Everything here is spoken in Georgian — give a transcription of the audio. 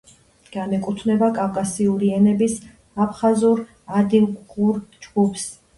განეკუთვნება კავკასიური ენების აფხაზურ-ადიღურ ჯგუფს.